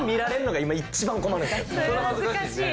それは恥ずかしいね。